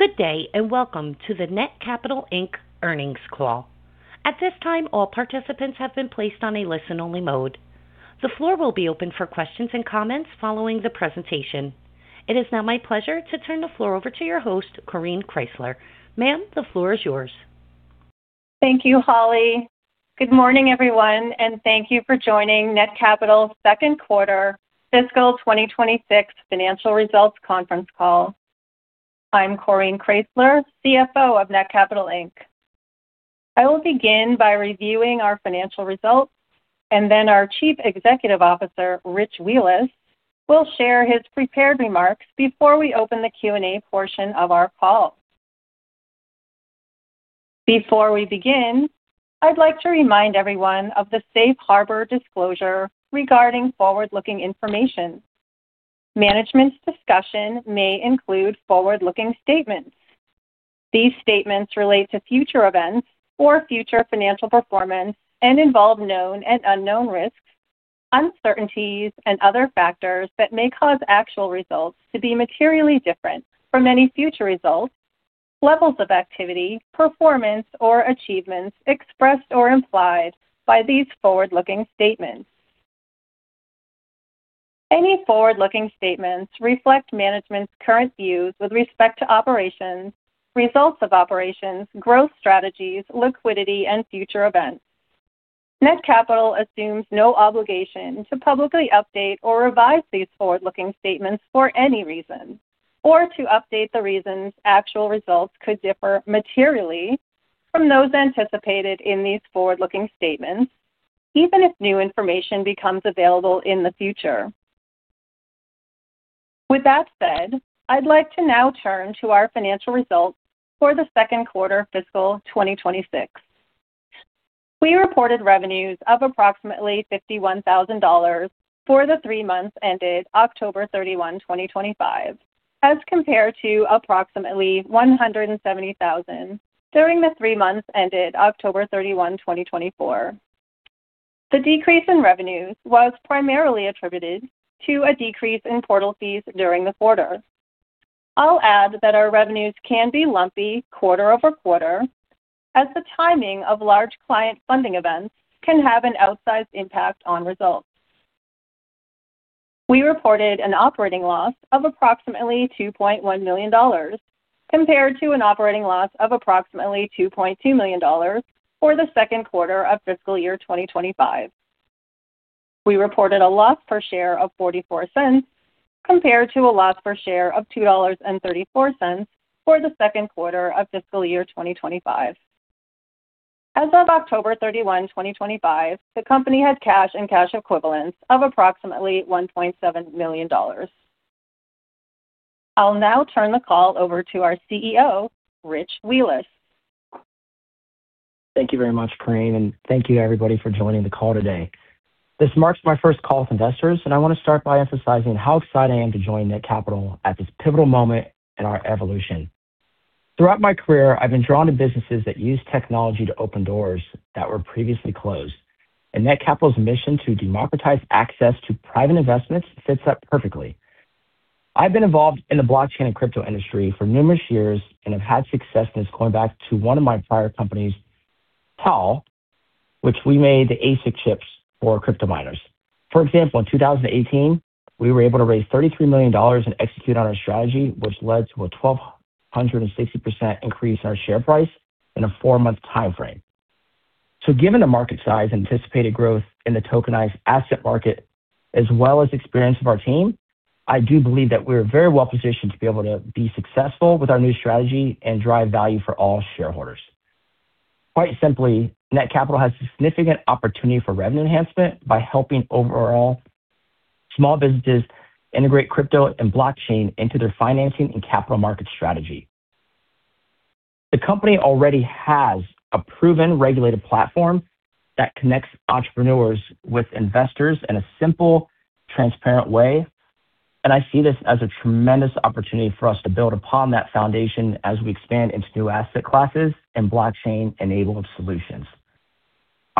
Good day and welcome to the Netcapital Inc. earnings call. At this time, all participants have been placed on a listen-only mode. The floor will be open for questions and comments following the presentation. It is now my pleasure to turn the floor over to your host, Coreen Kraysler. Ma'am, the floor is yours. Thank you, Holly. Good morning, everyone, and thank you for joining Netcapital's second quarter fiscal 2026 financial results conference call. I'm Coreen Kraysler, CFO of Netcapital Inc. I will begin by reviewing our financial results, and then our Chief Executive Officer, Rich Wheeless, will share his prepared remarks before we open the Q&A portion of our call. Before we begin, I'd like to remind everyone of the safe harbor disclosure regarding forward-looking information. Management's discussion may include forward-looking statements. These statements relate to future events or future financial performance and involve known and unknown risks, uncertainties, and other factors that may cause actual results to be materially different from any future results, levels of activity, performance, or achievements expressed or implied by these forward-looking statements. Any forward-looking statements reflect management's current views with respect to operations, results of operations, growth strategies, liquidity, and future events. Netcapital assumes no obligation to publicly update or revise these forward-looking statements for any reason or to update the reasons actual results could differ materially from those anticipated in these forward-looking statements, even if new information becomes available in the future. With that said, I'd like to now turn to our financial results for the second quarter fiscal 2026. We reported revenues of approximately $51,000 for the three months ended October 31, 2025, as compared to approximately $170,000 during the three months ended October 31, 2024. The decrease in revenues was primarily attributed to a decrease in portal fees during the quarter. I'll add that our revenues can be lumpy quarter over quarter, as the timing of large client funding events can have an outsized impact on results. We reported an operating loss of approximately $2.1 million compared to an operating loss of approximately $2.2 million for the second quarter of fiscal year 2025. We reported a loss per share of $0.44 compared to a loss per share of $2.34 for the second quarter of fiscal year 2025. As of October 31, 2025, the company had cash and cash equivalents of approximately $1.7 million. I'll now turn the call over to our CEO, Rich Wheeless. Thank you very much, Coreen and thank you to everybody for joining the call today. This marks my first call with investors, and I want to start by emphasizing how excited I am to join Netcapital at this pivotal moment in our evolution. Throughout my career, I've been drawn to businesses that use technology to open doors that were previously closed, and Netcapital's mission to democratize access to private investments fits that perfectly. I've been involved in the blockchain and crypto industry for numerous years and have had success since going back to one of my prior companies, TAAL, which we made the ASIC chips for crypto miners. For example, in 2018, we were able to raise $33 million and execute on our strategy, which led to a 1,260% increase in our share price in a four-month time frame. So, given the market size and anticipated growth in the tokenized asset market, as well as the experience of our team, I do believe that we're very well positioned to be able to be successful with our new strategy and drive value for all shareholders. Quite simply, Netcapital has a significant opportunity for revenue enhancement by helping overall small businesses integrate crypto and blockchain into their financing and capital market strategy. The company already has a proven regulated platform that connects entrepreneurs with investors in a simple, transparent way, and I see this as a tremendous opportunity for us to build upon that foundation as we expand into new asset classes and blockchain-enabled solutions.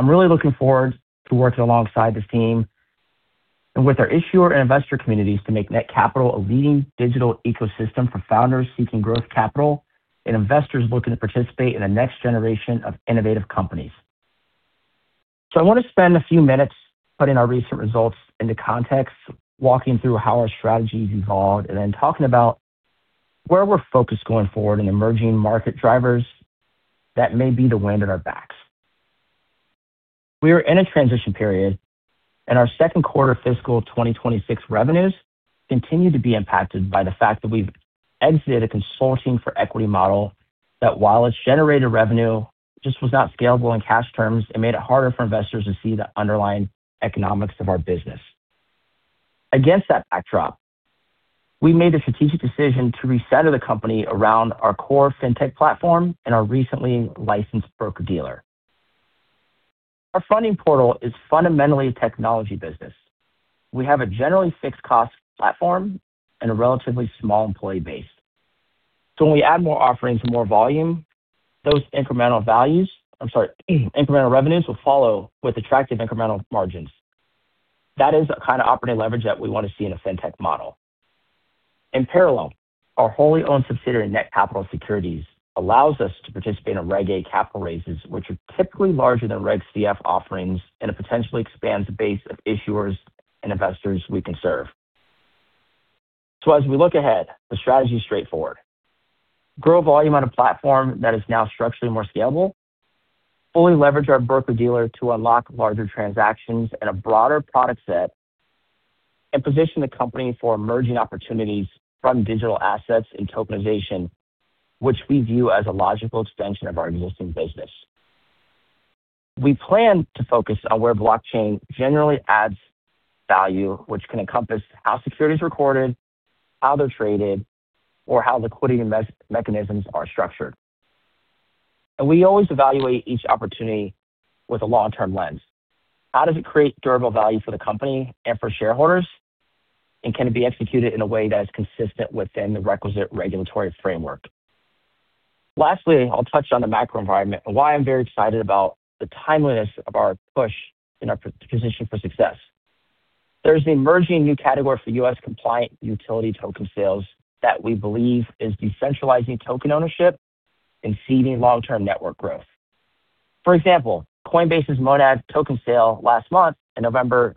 I'm really looking forward to working alongside this team and with our issuer and investor communities to make Netcapital a leading digital ecosystem for founders seeking growth capital and investors looking to participate in the next generation of innovative companies. So, I want to spend a few minutes putting our recent results into context, walking through how our strategy has evolved, and then talking about where we're focused going forward and emerging market drivers that may be the wind at our backs. We are in a transition period, and our second quarter fiscal 2026 revenues continue to be impacted by the fact that we've exited a consulting for equity model that, while it's generated revenue, just was not scalable in cash terms and made it harder for investors to see the underlying economics of our business. Against that backdrop, we made a strategic decision to recenter the company around our core fintech platform and our recently licensed broker-dealer. Our funding portal is fundamentally a technology business. We have a generally fixed cost platform and a relatively small employee base. So, when we add more offerings and more volume, those incremental values, I'm sorry, incremental revenues, will follow with attractive incremental margins. That is the kind of operating leverage that we want to see in a fintech model. In parallel, our wholly owned subsidiary Netcapital Securities allows us to participate in Reg A capital raises, which are typically larger than Reg CF offerings, and it potentially expands the base of issuers and investors we can serve. So, as we look ahead, the strategy is straightforward: grow volume on a platform that is now structurally more scalable, fully leverage our broker-dealer to unlock larger transactions and a broader product set, and position the company for emerging opportunities from digital assets and tokenization, which we view as a logical extension of our existing business. We plan to focus on where blockchain generally adds value, which can encompass how securities are recorded, how they're traded, or how liquidity mechanisms are structured. And we always evaluate each opportunity with a long-term lens. How does it create durable value for the company and for shareholders, and can it be executed in a way that is consistent within the requisite regulatory framework? Lastly, I'll touch on the macro environment and why I'm very excited about the timeliness of our push in our position for success. There's an emerging new category for U.S. compliant utility token sales that we believe is decentralizing token ownership and seeding long-term network growth. For example, Coinbase's Monad token sale last month in November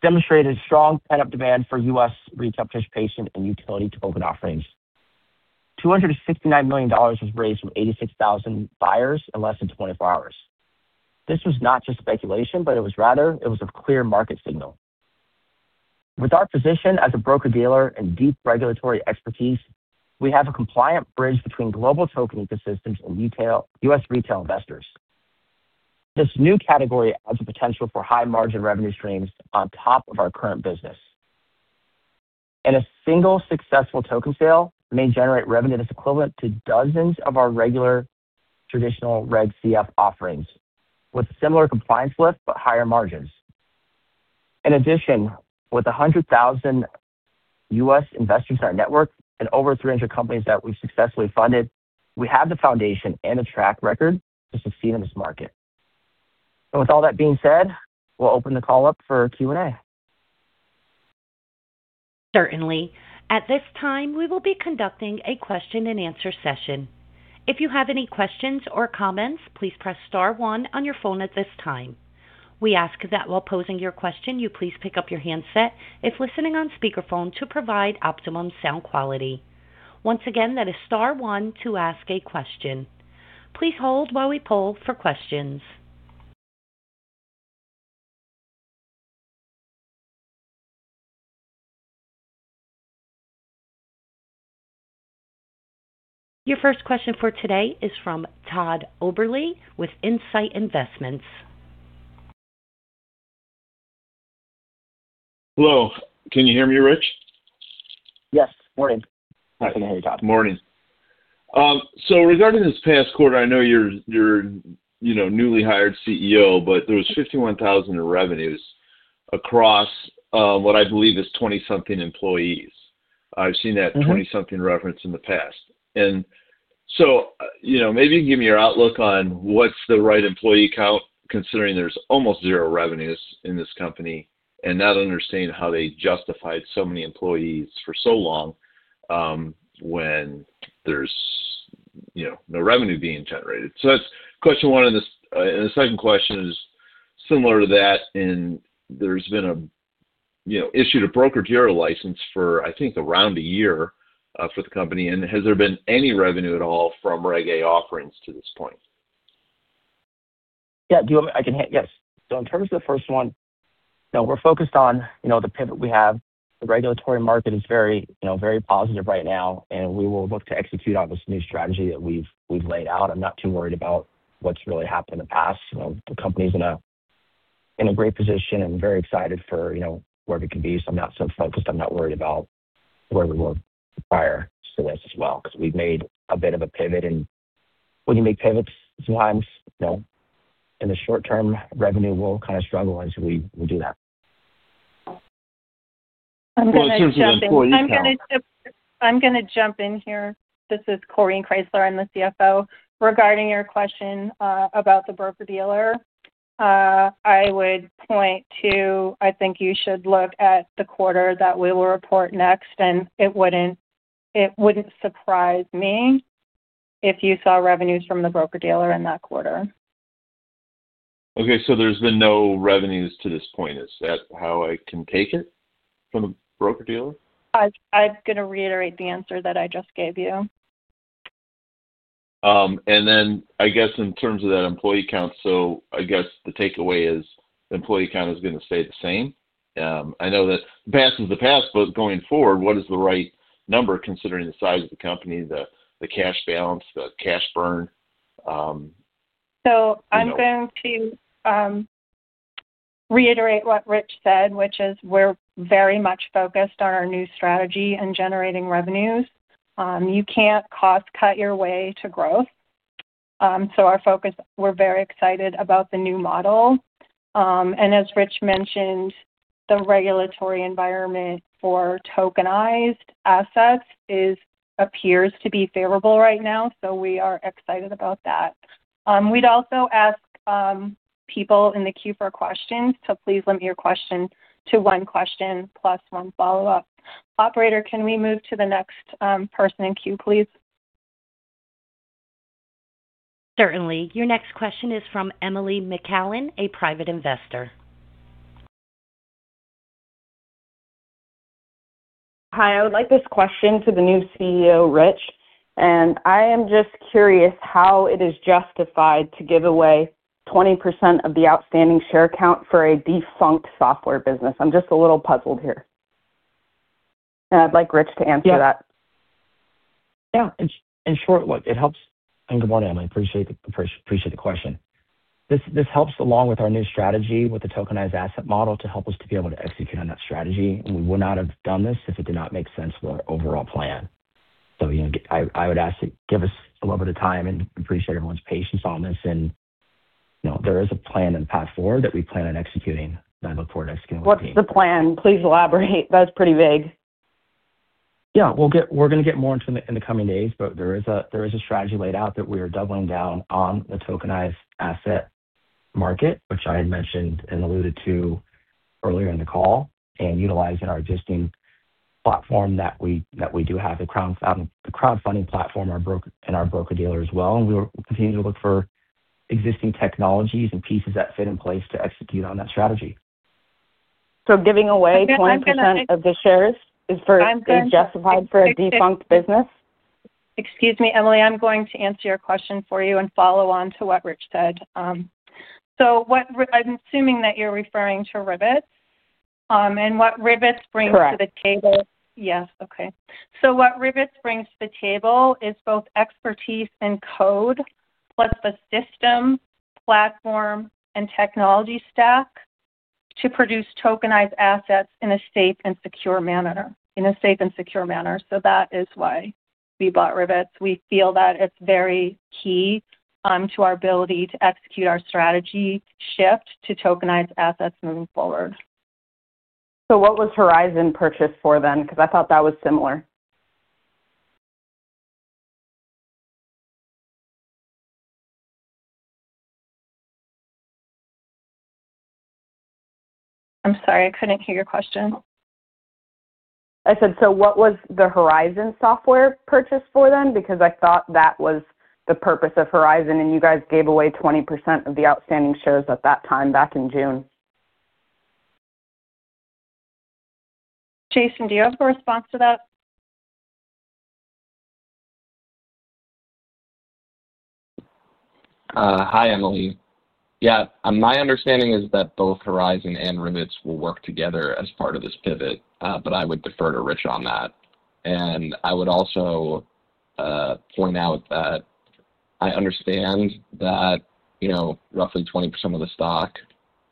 demonstrated strong pent-up demand for U.S. retail participation and utility token offerings. $269 million was raised from 86,000 buyers in less than 24 hours. This was not just speculation, but it was rather a clear market signal. With our position as a broker-dealer and deep regulatory expertise, we have a compliant bridge between global token ecosystems and U.S. retail investors. This new category adds a potential for high-margin revenue streams on top of our current business. And a single successful token sale may generate revenue that's equivalent to dozens of our regular traditional reg CF offerings with similar compliance lift, but higher margins. In addition, with 100,000 U.S. Investors in our network and over 300 companies that we've successfully funded, we have the foundation and the track record to succeed in this market. And with all that being said, we'll open the call up for Q&A. Certainly. At this time, we will be conducting a question-and-answer session. If you have any questions or comments, please press star one on your phone at this time. We ask that while posing your question, you please pick up your handset if listening on speakerphone to provide optimum sound quality. Once again, that is star one to ask a question. Please hold while we poll for questions. Your first question for today is from Todd Oberle with Insight Investments. Hello. Can you hear me, Rich? Yes. Morning. Hi. I can hear you, Todd. Morning. So regarding this past quarter, I know you're a newly hired CEO, but there was $51,000 in revenues across what I believe is 20-something employees. I've seen that 20-something reference in the past. And so maybe you can give me your outlook on what's the right employee count, considering there's almost zero revenues in this company, and not understanding how they justified so many employees for so long when there's no revenue being generated. So that's question one. And the second question is similar to that, and there's been an issue with the broker-dealer license for, I think, around a year for the company. And has there been any revenue at all from Reg A offerings to this point? Yeah, so in terms of the first one, we're focused on the pivot we have. The regulatory market is very positive right now, and we will look to execute on this new strategy that we've laid out. I'm not too worried about what's really happened in the past. The company's in a great position and very excited for where we can be, so I'm not so focused. I'm not worried about where we were prior to this as well because we've made a bit of a pivot, and when you make pivots sometimes, in the short term, revenue will kind of struggle as we do that. I'm going to jump in here. This is Coreen Kraysler. I'm the CFO. Regarding your question about the broker-dealer, I would point to, I think you should look at the quarter that we will report next, and it wouldn't surprise me if you saw revenues from the broker-dealer in that quarter. Okay. So there's been no revenues to this point. Is that how I can take it from the broker-dealer? I'm going to reiterate the answer that I just gave you. And then I guess in terms of that employee count, so I guess the takeaway is the employee count is going to stay the same. I know that the past is the past, but going forward, what is the right number considering the size of the company, the cash balance, the cash burn? So I'm going to reiterate what Rich said, which is we're very much focused on our new strategy and generating revenues. You can't cost-cut your way to growth. So our focus, we're very much excited about the new model. And as Rich mentioned, the regulatory environment for tokenized assets appears to be favorable right now, so we are excited about that. We'd also ask people in the queue for questions, so please limit your question to one question plus one follow-up. Operator, can we move to the next person in queue, please? Certainly. Your next question is from Emily McCallen, a private investor. Hi. I would like this question to the new CEO, Rich. And I am just curious how it is justified to give away 20% of the outstanding share count for a defunct software business. I'm just a little puzzled here. And I'd like Rich to answer that. Yeah. In short, look, it helps, and good morning, Emily. Appreciate the question. This helps along with our new strategy with the tokenized asset model to help us to be able to execute on that strategy. We would not have done this if it did not make sense with our overall plan, so I would ask that you give us a little bit of time and appreciate everyone's patience on this, and there is a plan and a path forward that we plan on executing, and I look forward to executing with you. What's the plan? Please elaborate. That's pretty vague. Yeah. We're going to get more into it in the coming days, but there is a strategy laid out that we are doubling down on the tokenized asset market, which I had mentioned and alluded to earlier in the call, and utilizing our existing platform that we do have, the crowdfunding platform in our broker-dealer as well, and we will continue to look for existing technologies and pieces that fit in place to execute on that strategy. So giving away 20% of the shares is justified for a defunct business? Excuse me, Emily. I'm going to answer your question for you and follow on to what Rich said. So I'm assuming that you're referring to Rivetz. And what Rivetz brings to the table? Correct. Yes. Okay. So what Rivetz brings to the table is both expertise and code plus the system, platform, and technology stack to produce tokenized assets in a safe and secure manner. So that is why we bought Rivetz. We feel that it's very key to our ability to execute our strategy shift to tokenized assets moving forward. So what was Horizon purchased for then? Because I thought that was similar. I'm sorry. I couldn't hear your question. I said, so what was the Horizon software purchased for then? Because I thought that was the purpose of Horizon, and you guys gave away 20% of the outstanding shares at that time back in June. Jason, do you have a response to that? Hi, Emily. Yeah. My understanding is that both Horizon and Rivetz will work together as part of this pivot, but I would defer to Rich on that. And I would also point out that I understand that roughly 20% of the stock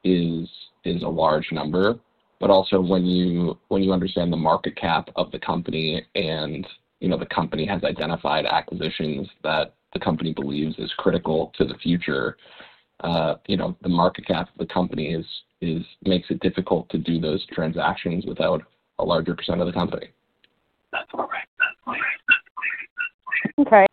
is a large number, but also when you understand the market cap of the company and the company has identified acquisitions that the company believes is critical to the future, the market cap of the company makes it difficult to do those transactions without a larger percentage of the company. Okay.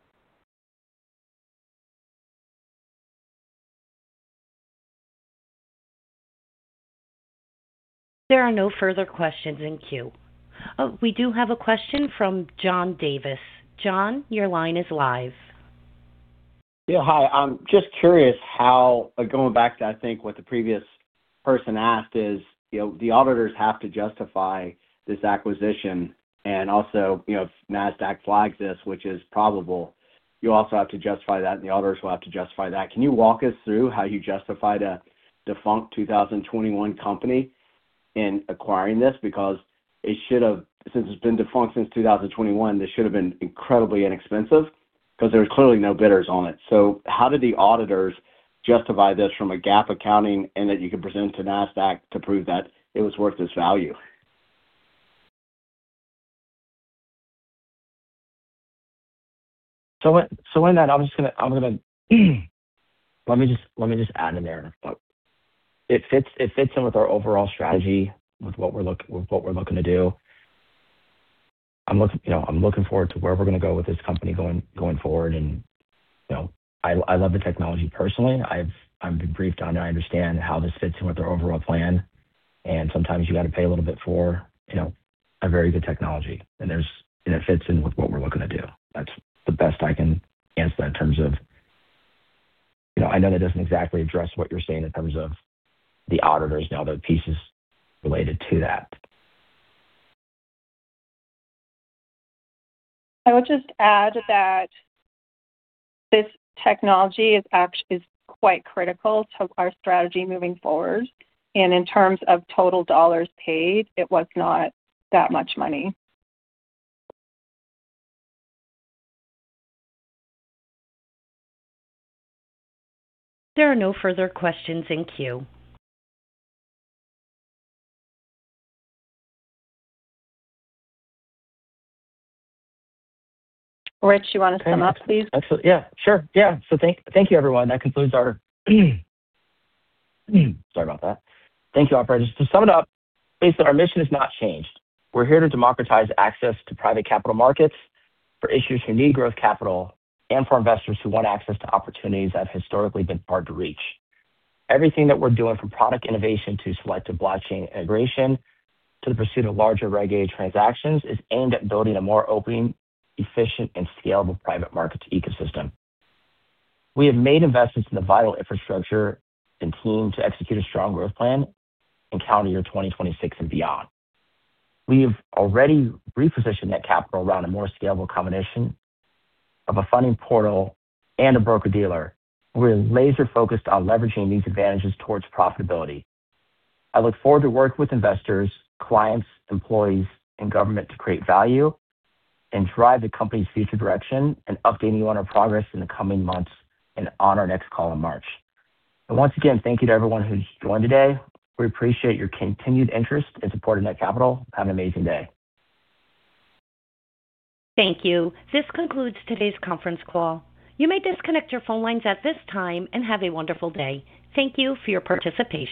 There are no further questions in queue. We do have a question from John Davis. John, your line is live. Yeah. Hi. I'm just curious how, going back to, I think, what the previous person asked, is the auditors have to justify this acquisition. And also, if Nasdaq flags this, which is probable, you also have to justify that, and the auditors will have to justify that. Can you walk us through how you justified a defunct 2021 company in acquiring this? Because since it's been defunct since 2021, this should have been incredibly inexpensive because there were clearly no bidders on it. So how did the auditors justify this from a GAAP accounting and that you could present to Nasdaq to prove that it was worth its value? So in that, I'm going to, let me just add in there. It fits in with our overall strategy, with what we're looking to do. I'm looking forward to where we're going to go with this company going forward. I love the technology personally. I've been briefed on it. I understand how this fits in with our overall plan. Sometimes you got to pay a little bit for a very good technology. It fits in with what we're looking to do. That's the best I can answer that in terms of, I know that doesn't exactly address what you're saying in terms of the auditors and all the pieces related to that. I would just add that this technology is quite critical to our strategy moving forward, and in terms of total dollars paid, it was not that much money. There are no further questions in queue. Rich, you want to sum up, please? Yeah. Sure. Yeah. So thank you, everyone. That concludes our - sorry about that. Thank you, Operators. To sum it up, basically, our mission has not changed. We're here to democratize access to private capital markets for issuers who need growth capital and for investors who want access to opportunities that have historically been hard to reach. Everything that we're doing, from product innovation to selective blockchain integration to the pursuit of larger Reg A transactions, is aimed at building a more open, efficient, and scalable private market ecosystem. We have made investments in the vital infrastructure and team to execute a strong growth plan and into 2026 and beyond. We have already repositioned that capital around a more scalable combination of a funding portal and a broker-dealer, where we're laser-focused on leveraging these advantages towards profitability. I look forward to working with investors, clients, employees, and government to create value and drive the company's future direction and update you on our progress in the coming months and on our next call in March, and once again, thank you to everyone who's joined today. We appreciate your continued interest and support in Netcapital. Have an amazing day. Thank you. This concludes today's conference call. You may disconnect your phone lines at this time and have a wonderful day. Thank you for your participation.